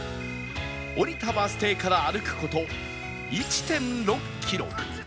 降りたバス停から歩く事 １．６ キロ